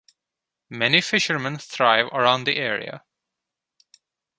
Many fishermen thrive around the area.